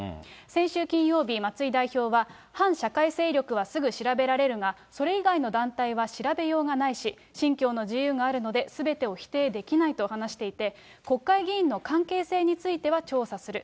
先週金曜日、松井代表は、反社会勢力はすぐ調べられるが、それ以外の団体は調べようがないし、信教の自由があるのですべてを否定できないと話していて、国会議員の関係性については調査する。